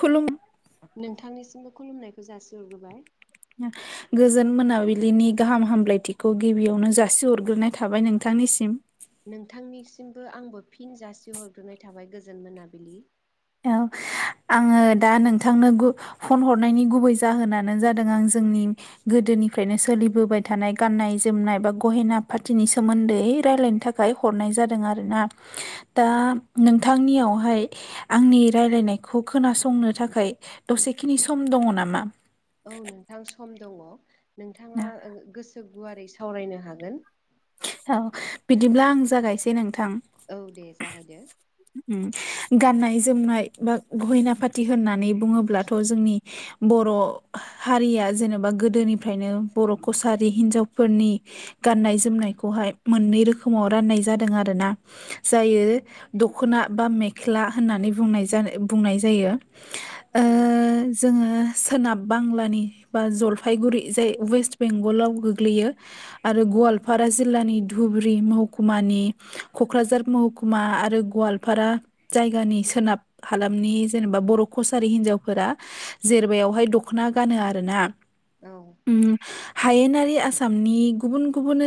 खुलुम नोंथांनिसिमबो खुलुमनायखौ जासिहरग्रोबाय। [inaudible] गोजोन मोनाबिलिनि गाहाम हामलायथिखौ गिबियावनो जासिहरग्रोनाय थाबाय नोंथांनिसिम। नोंथांनिसिमबो आंबो फिन जासिहरग्रोनाय थाबाय गोजोन मोनाबिलि औ आङो दा नोंथांनो गु फन हरनायनि गुबै जाहोनानो जादों आं जोंनि - गोदोनिफ्रायनो सोलिबोबाय थानाय गाननाय जोमनाय बा गहेना पाथिनि सोमोन्दै रायल्लायनो थाखाय हरनाय जादों आरोना दा नोंथांनियावहाय आंनि रायलायनायखौ खोनासंनो थाखाय दसेखिनि सम दङ नामा? औ नोंथां सम दङ नोंथाङा गोसो गुवारै सावरायनो हागोन। औ बिदिब्ला आं जागायसै नोंथां। औ दे जागाय दो। गाननाय जोमनाय बा गहेना फाथि होननानै बुङोब्लाथ' जोंनि बर' हारिया जेनेबा गोदोनिफ्रायनो बर' कसारि हिनजावफोरनि गाननाय जोमनायखौहाय मोननै रोखोमाव राननाय जादों आरो ना जायो। दख'ना बा मेख्ला होननानै बुंनाय ज बुंनाय जायो ओ औ जोङो सोनाब बांलानि बा जलफायगुरि जाय वेस्ट बेंगलाव गोग्लैयो। आरो गवालपारा जिल्लानि धुबुरि महकुमानि क'क्राझार महकुमा आरो गवालपारा जायगानि सोनाब हालामनि जेनेबा बर' कसारि हिनजावफोरा जेरबायावहाय दख'ना गानो आरो ना औ हायेनारि आसामनि गुबुन गुबुन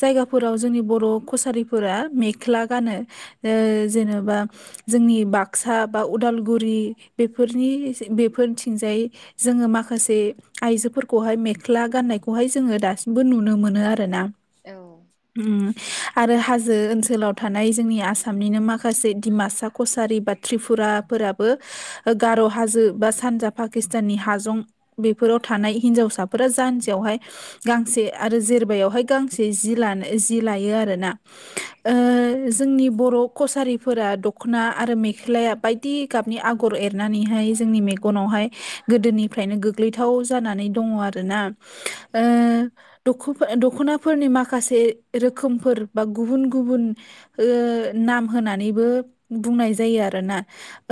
जायगाफोराव जोंनि बर' कसारिफोरा मेख्ला गानो ओ जेनेबा जोंनि बाक्सा बा उदालगुरि बेफोरनि बेफोरनिथिंजाय जोङो माखासे आइजोफोरखौहाय मेख्ला गाननायखौहाय जोङो दासिमबो नुनो मोनो आरोना। औ आरो हाजो ओनसोलाव थानाय जोंनि आसामनिनो माखा माखासे डिमासा कसारि बा त्रिपुराफोराबो गार' हाजो बा सानजा पाकिस्ताननि हाजं बेफोराव थानाय हिन्जावसाफोरा जानजियावहाय गांसे आरो जेरबायावहाय गांसे जि लानो जि लायो आरोना। ओ जोंनि बर' कसारि फोर दख'ना आरो मेख्लाया बायदि गाबनि आगर एरनानैहाय जोंनि मेगनावहाय गोदोनिफ्रायनो गोग्लैथाव जानानै दङ आरोना ओ द' दख'नाफोरनि माखासे रोखोमफोर बा गुबुन गुबुन ओ नाम होनानैबो बुंनाय जायो आरोना।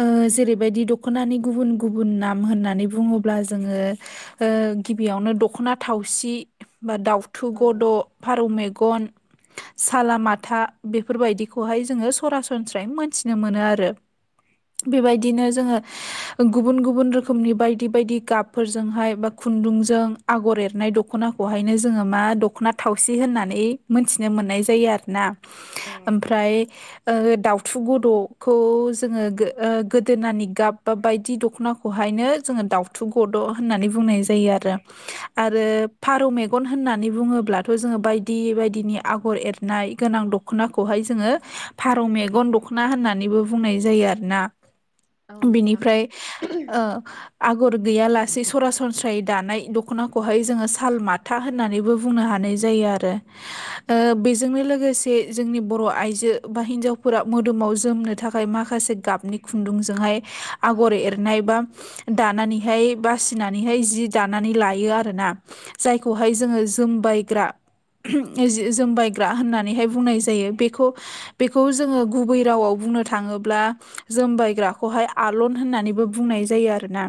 ओ जेरैबायदि दख'नानि गुबुन गुबुन नाम होननानै बुङोब्ला जोङो ओ गिबियावनो दख'ना थावसि बा दाउथु गद' औ फारौ मेग गन सालामाथा बेफोरबायदिखौहाय जोङो सरा सरासनस्रायै मोनथिनो मोनो आरो बेबायदिनो जोङो गुबुन गुबुन रोखोमनि बायदि बायदि गाबफोरजोंहाय बा खुन्दुंजों आगर एरनाय दख'नाखौहायनो जोङो मा दख'ना थावसि होननानै मोन्थिनो मोननाय जायो आरो ना। औ ओमफ्राय ओ दाउथु गद'खौ जोङो गो-गोदोनानि गाब बा बायदि दख'नाखौ बेहायनो जोङो दाउथु गद' होननानै बुंनाय जायो आरो। आरो फारौ मेगन होननानै बुङोब्लाथ' जोङो बायदि बायदिनि आगर एर नाय गोनां दख'नाखौहाय जोङो फारौ मेगन दख'ना होननानैबो बुंनाय जायो आरोना औ नोंथां बिनिफ्राय ओ आगर गैयालासे सरासनस्रायै दानाय दख'नाखौहाय जोङो साल माथा होननानैबो बुंनो हानाय जायो आरो बेजोंनो लोगोसे जोंनि बर' आइजो बा हिन्जावफोरा मोदोमाव जोमनो थाखाय माखासे गाबनि खुन्दुंजोंहाय आगर एरनाय बा दानानैहाय बासिनानैहाय जि दानानै लायो आरोना। जायखौहाय जोङो जोमबायग्रा जोमबायग्रा होननानैहाय बुंनाय जायो बेखौ बेखौ जोङो गुबै रावाव बुंनो थाङोब्ला जोमबायग्राखौहाय आलन होननानैबो बु बुंनाय जायो आरोना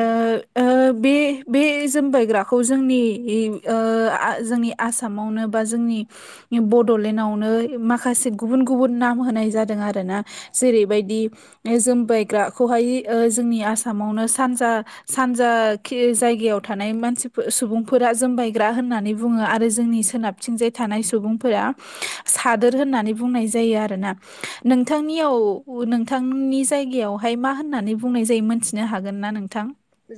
औ ओ ओ बे-बे जोमबायग्राखौ जोंनि ओ जोंनि आसामावनो बा जोंनि बड'लेण्डआवनो माखासे गुबुन गुबुन नाम होनाय जादों आरो ना जेरैबायदि जोमबायग्राखौहाय जोंनि आसामावनो सानजा सानजा खि जायगायाव थानाय मानसिफोर सुबुंफोरा जोमबायग्रा होननानै बुङो आरो जोंनि सोनाब थिंजाय थानाय सुबुंफोरा सादोर होननानै बुंनाय जायो आरोना नोंथांनियाव नोंथांनि जायगायावहाय मा होननानै बुंनाय जायो मोन थिनो हागोन ना नोंथां?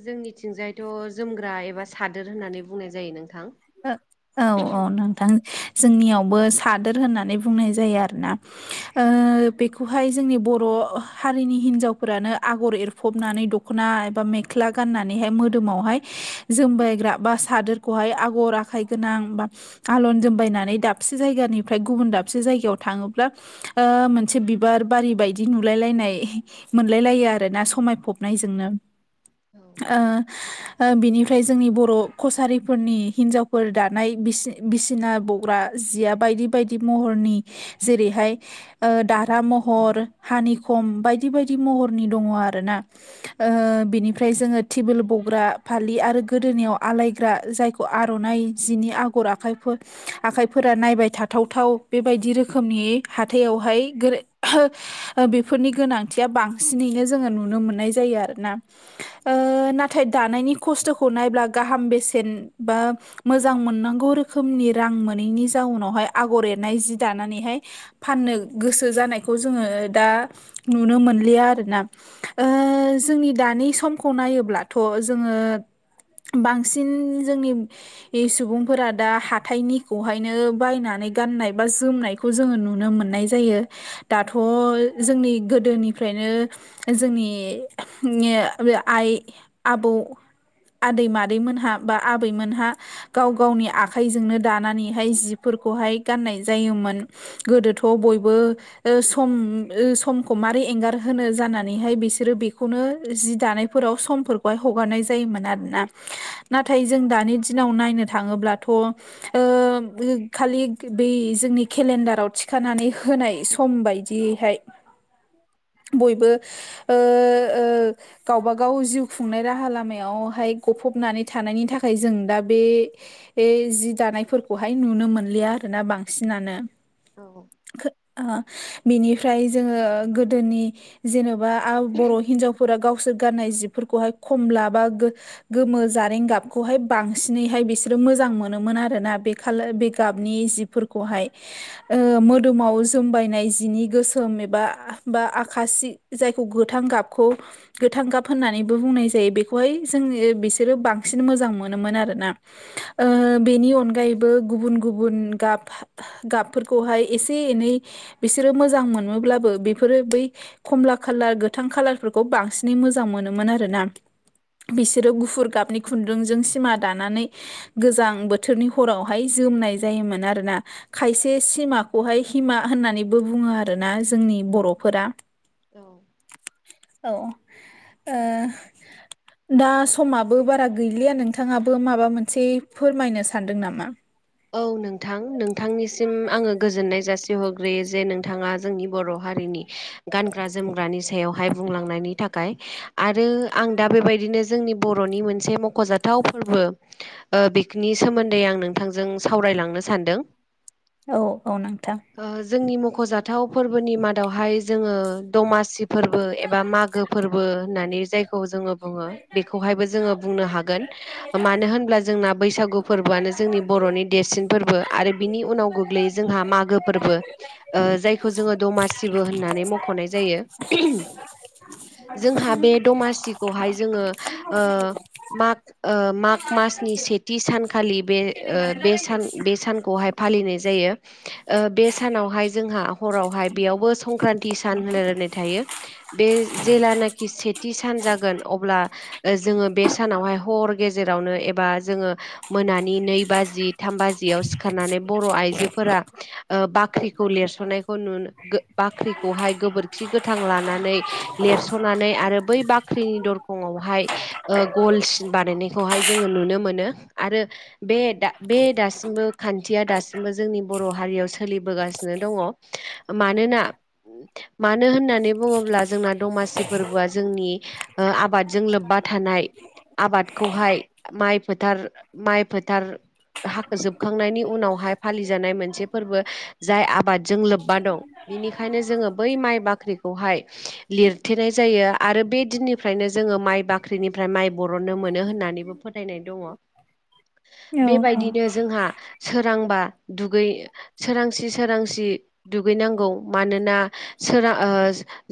जोंनिथिंजायथ' जोमग्रा एबा सादोर होननानै बुंनाय जायो नोंथां। औ औ नोंथां जोंनियावबो सादोर होननानै बुंनाय जायो आरोना। बेखौहाय जोंनि बर' हारिनि हिन्जावफोरानो आगर एर फबनानै दख'ना एबा मेख्ला गाननानैहाय मोदोमावहाय जोमबायग्रा बा सादोरखौहाय आ गर आखाइ गोनां बा आलन जोमबायनानै दाबसे जायगानिफ्राय गुबुन दाबसे जायगायाव थाङोब्ला मोनसे बिबार बारि बायदि नुलायलायनाय मोनलायलायो आरो ना समायफबनायजोंनो औ बिनिफ्राय जोंनि बर' कसारिफोरनि हिनजावफोर दानाय बिसि-बिसिना बग्रा जिया बायदि बायदि महरनि जेरैहाय दारहा महर हानिखम बायदि बायदि महरनि दङ आरो ना बिनिफ्राय जोङो टिबिल बग्रा फालि आरो गोदोनायाव आलायग्रा जायखौ आर'नाइ जिनि आगर आखाइफोर आखाइफोरा नायबाय थाथावथाव बेबायदि रोखोमनि हाथायावहाय ग्रे बेफोरनि गोनांथिया बांसिनैनो जोङो नुनो मोननाय जायो आरोना नाथाय दानायनि खस्थ'खौ नायब्ला गाहाम बेसेन बा मोजां मोननांगौ रोखोमनि रां मोनैनि जाउनावहाय आगर एरनाय जि दानानैहाय फाननो गोसो जानायखौ जोङो दा नुनो मोनलिया आरोना जोंनि दानि समखौ नायोब्लाथ' जोङो बांसिन जोंनि सुबुंफोरा दा हाथायनिखौहायनो बायनानै गाननाय बा जोमनाय खौ जोङो नुनो मोननाय जायो दाथ' जोंनि गोदोनिफ्रायनो जोंनि नि आइ आबौ आदै मादैमोनहा बा आबैमोनहा गाव गावनि आखाइजोंनो दानानैहाय जिफोरखौहाय गाननाय जायोमोन। गोदोथ' बयबो सम समखौ मारै एंगार होनो जानानैहाय बिसोरो बेखौनो जि दानाय फोराव समफोरखौहाय हगारनाय जायोमोन आरोना नाथाय जों दानि दिनाव नायनो थाङोब्लाथ' खालि ब जोंनि केलेन्डाराव थिखानानै होनाय स हम बायदियैहाय बयबो गावबा गाव जिउ खुंनाय राहा लामायावहाय गफबनानै थानायनि थाखाय जों दा बे बे जि दानायफोरखौहाय नुनो मोनलिया आरोना बांसिनानो। औ बिनिफ्राय जोङो गोदोनि जेनेबा बर' हिनजावफोरा गावसोर गाननाय जिफोरखौहाय खमला बा गो गोमो जाथ नारें गाबखौहाय बांसिनैहाय बिसोरो मोजां मोनोमोन आरोना बे खालार बे गाबनि जिफोरखौहाय। ओ मोदोमाव जोमबायनाय जिनि गोसोम एबा बा आखासि जायखौ गोथां गाबखौ गोथां गाब होननानैबो बुंनाय जायो बेखौहाय जोंङो बिसोरो बांसिन बांसिन मोजां मोनोमोन आरोना। ओ बेनि अनगायैबो गुबुन गुबुन गाब गाबफोरखौहाय एसे एनै बिसोरो मोजां मोनोब्लाबो बेफोरो बै खमला खालार गोथां खाालारफोरखौ बांसिनै मोजां मोनोमोन आरो ना। बिसोरो गुफुर गाबनि खुन्दुंजों सिमा दानानै गोजां बोथोरनि हरावहाय जोमनाय जायोमोन आरोना। खायसे सिमाखौहाय हिमा होननानैबो बुङो आरो ना जोंनि बर'फोरा। औ औ ओ दा समाबो बारा गैलिया नोंथाङाबो माबा मोनसे फोरमायनो सानदों नामा? औ नोंथां नोंथांनिसिम आङो गोजोननाय जासिहरग्रोयो जे नोंथाङा जोंनि बर' हारिनि गानग्रा जोमग्रानि सायावहाय बुंलांनायनि थाखाय। आरो आं दा बेबायदिनो जोंनि बर'नि मोनसे मख'जाथाव फोरबो ओ बिखिनि सोमोन्दै आं नोंथांजों सावरायलांनो सानदों‌ औ औ नोंथां। ओ जोंनि मख'जाथाव फोरबोनि मादावहाय जोङो दमासि फोरबो एबा मागो फोरबो होननानै जायखौ जोङो बुङो बेखौहायबो जोङो बुंनो हागोन मानो होनब्ला जोंना बैसागु फोरबोआनो जोंनि बर'नि देरसिन फोरबो आरो बिनि उनाव गोग्लैयो जोंहा मागो फोरबो। ओ जायखौ जोङो दमासिबो होननानै मख'नाय जायो। जोंहा बे दमासिखौहाय जोङो ओ माग ओ माग मासनि सेथि सानखालि बे ओ बे सान बे सानखौहाय फालिनाय जायो। ओ बे सानावहाय जोंहा हरावहाय बेयावबो संक्रान्ति सान होनायायनाय थायो। बे जेेलानाखि सेथि सान जागोन अब्ला जोङो बे सानावहाय हर गेजेरावनो एबा जोङो मोनानिनो बाजि थाम बाजियाव सिखारनानै बर' आइजोफोरा ओ बाख्रिखौ लिरस'नायखौ नु बाख्रिखौहाय गोबोरखि गोथां लानानै लिरस'नानै आरो बै बाख्रिनि दरखंआवहाय ओ गलसिन बानायनायखौहाय जोङो नुनो मोनो आरो बे दा बे दासिमबो खान्थिया दासिमबो जोंनि बर' हारियाव सोलिबोगासिनो दङ। मानोना मानो होननानै बुङोब्ला जोंना दमासि फोरबोआ जोंनि ओ आबादजों लोब्बा थानाय आबादखौहाय माइ फोथार माइ फोथार हाखो जोबखांनायनि उनावहाय फालिजानाय मोनसे फोरबो जाय आबादजों लोब्बा दं। बिनिखायनो जोङो बै माइ बाख्रिखौहाय लिरथेनाय जायो आरो बे दिननि निफ्रायनो जोङो माइ बाख्रिनिफ्राय माइ बरननो मोनो होननानैबो फोथायनाय दङ। औ बेबायदिनो औ जोंहा सोरांबा दुगै सोरांसि सोरांसि दुगैनांगौ मानोना सोरा ओ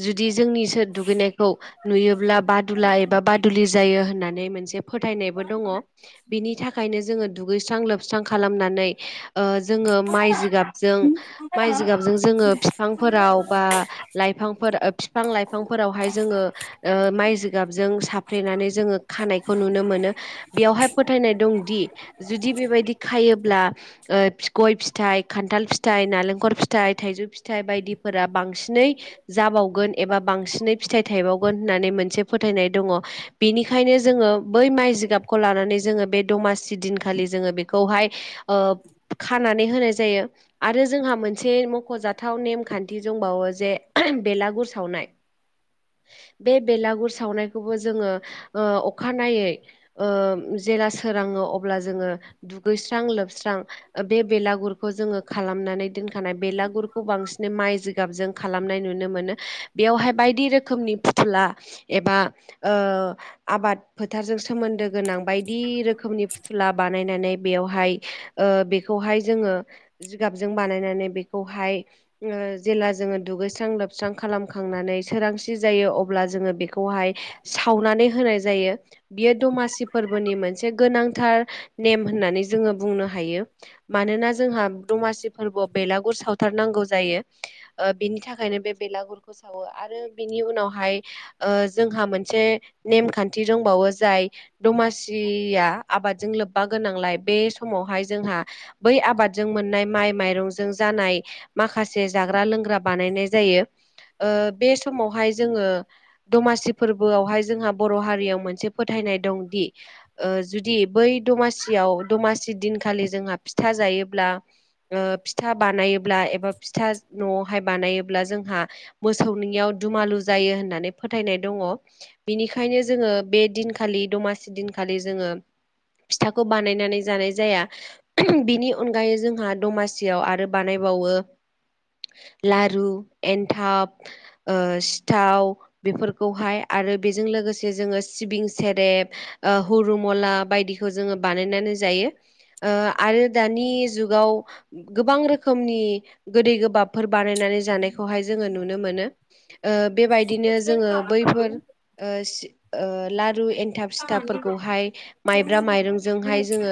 जुदि जोंनि दुगैनायखौ नुयोब्ला बादुला एबा बादुलि जायो होननानै मोनसे फोथायनायबो दङ। बिनि थाखायनो जोङो दुगैस्रां लोबस्रां खालामनानै ओ जोङो माइ जिगाबजों माइ जिगाबजों जोङो बिफांफोराव बा लाइफांफोर बिफां लाइफांफोरावहाय जोङो ओ माइ जिगाबजों साफ्रेनानै जोङो खानायखौ नुनो मोनो। बेयावहाय फोथायनाय दंदि जुदि बेबायदि खायोब्ला ओ गइ फिथाइ खान्थाल फिथाइ नालेंखर फिथाइ थाइजौ फिथाइ बायदिफोरा बांसिनै जाबावगोन एबा बांसिनै फिथाइ थायबावगोन होननानै मोनसे फोथायनाय दङ। बेनिखायनो जोङो बै माइ जिगाबखौ लानानै जोङो बे दमासि दिन खालि जोङो बेखौहाय ओ खानानै होनाय जायो। आरो जोंहा मोनसे मख'जाथाव नेमखान्थि दंबावो जे बेलागुर सावनाय बे बेलागुर सावनायखौबो जोङो ओ अखानायै ओ जेला सोराङो अब्ला जोङो दुगैस्रां लोबस्रां बे बेलागुरखौ जोङो खालामनानै दोनखानाय बेलागुरखौ बांसिन माइ जिगाबजों खालामनाय नुनो मोनो बेयावहाय बायदि रोखोमनि फुथुला एबा ओ आबाद फोथारजों सोमोन्दो गोनां बायदि रोखोमनि फुथुला बानायनानै बेयावहाय ओ बेखौहाय जोङो जिगाबजों बानायनानै बेखौहाय ओ जेला जोङो दुगैस्रां लोबस्रां खालामखांनानै सोरांसि जायो अब्ला जोङो बे खौहाय सावनानै होनाय जायो बियो दमासि फोरबोनि मोनसे गोनां थार नेम होननानै जोङो बुंनो हायो। मानोना जोंहा दमासि फोरबोआव बेलागुर सावथारनांगौ जायो। बिनि थाखायनो बे बेलागुरखौ सावो आरो बिनि उनावहाय ओ जोंहा मोनसे नेमखान्थि दंबावो जाय दमासिया आबादजों लोब्बा गोनांलाय बे समावहाय जोंहा बै आबादजों मोननाय माइ माइरंजों जानाय माखासे जाग्रा लोंग्रा बानायनाय जायो ओ बे समावहाय जोङो दमासि फोरबोआवहाय जोंहा बर' हारियाव मोनसे फोथायनाय दंदि ओ जुदि बै दमासियाव दमासि दिनखालि जोंहा फिथा जायोब्ला ओ फिथा बानायोब्ला एबा फिथा न'आवहाय बानायोब्ला जोंहा मोसौनियाव दुमालु जायो होननानै फोथायनाय दङ। बिनिखायनो जोङो बे दिनखालि दमासि दिनखालि जोङो फिथाखौ बानायनानै जानाय जाया। बिनि अनगायै जोंहा दमासियाव आरो बानायबावो लारु, एन्थाब, ओ सिथाव बेफोरखौहाय आरो बेजों लोगोसे जोङो सिबिं सेरेब ओ हरुमला बायदिखौ जोङो बानायनानै जायो ओ आरो दानि जुगाव गोबां रोखोमनि गोदै गोबाबफोर बानायनानै जानायखौहाय जोङो नुनो मोनो। ओ बेबायदिनो जोङो बैफोर ओ सि ओ लारु एनथाब फिथाफोरखौहाय माइब्रा माइरंजोंहाय जोङो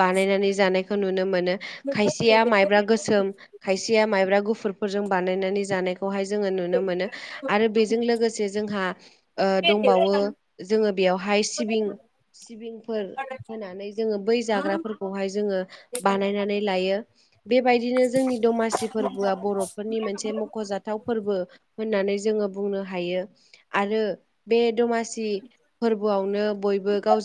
बानायनानै जानायखौ नुनो मोनो खायसेया माइब्रा गोसोम खायसेया माइब्रा गुफुरफोरजों बानायनानै जानाय खौहाय जोङो नुनो मोनो आरो बेजों लोगोसे जोंहा ओ दंबावो जोङो बेयावहाय सिबिं सिबिं होनानै जोङो बै जाग्राफोरखौहाय जोङो बानायनानै लायो। बेबायदिनो जोंनि दमासि फोरबोआ बर'फोरनि मोनसे मख'जाथाव फोरबो होननानै जोङो बुंनो हायो आरो बे दमासि फोरबोआवनो बयबो गाव